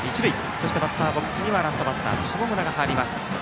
そしてバッターボックスにはラストバッター、下村が入ります。